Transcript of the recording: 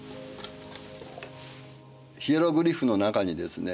ヒエログリフの中にですね